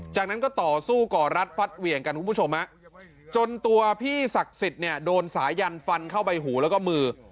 จากนั้นก็ต่อสู้ก่อรัดฟัดเหวี่ยงกันคุณผู้ชมจนตัวพี่ศักดิ์สิทธิ์เนี่ยโดนสายันฟันเข้าใบหูแล้วก็มือ